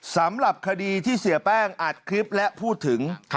สำหรับคดีที่เสียแป้งอัดคลิปและพูดถึง